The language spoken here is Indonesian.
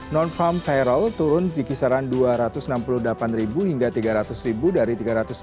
non farm viral turun di kisaran dua ratus enam puluh delapan hingga tiga ratus dari tiga ratus